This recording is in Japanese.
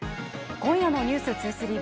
今夜の「ｎｅｗｓ２３」は